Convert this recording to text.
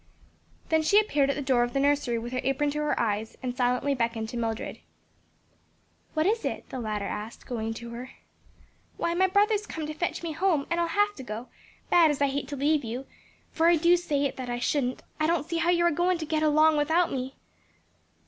Then she appeared at the door of the nursery with her apron to her eyes and silently beckoned to Mildred. "What is it?" the latter asked going to her. "Why my brother's come to fetch me home, and I'll have to go, bad as I hate to leave you; for if I do say it that shouldn't, I don't see how you're agoin' to git along without me."